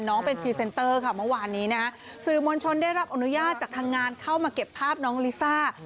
น้องเป็นพรีเซนเตอร์ค่ะเมื่อวานนี้นะฮะสื่อมวลชนได้รับอนุญาตจากทางงานเข้ามาเก็บภาพน้องลิซ่า